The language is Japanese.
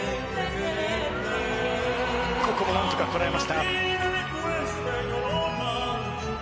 ここもなんとかこらえました。